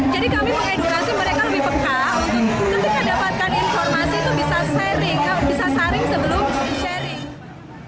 jadi kami mengedukasi mereka lebih pengkal untuk ketika dapatkan informasi itu bisa sharing sebelum sharing